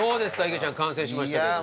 池ちゃん完成しましたけども。